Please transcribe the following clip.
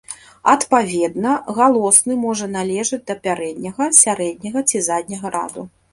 Адпаведна, галосны можа належаць да пярэдняга, сярэдняга ці задняга раду.